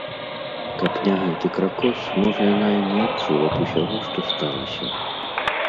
Каб не гэты кракос, можа яна і не адчула б усяго, што сталася.